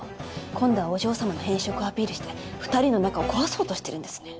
今度はお嬢様の偏食をアピールして２人の仲を壊そうとしてるんですね。